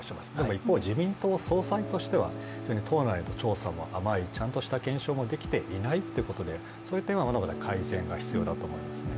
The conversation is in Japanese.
一方、自民党総裁としては、党内の調査は甘い、ちゃんとした検証もできていないということでそういう点は改善が必要だと思います。